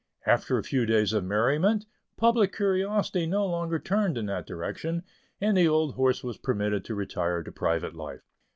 After a few days of merriment, public curiosity no longer turned in that direction, and the old horse was permitted to retire to private life.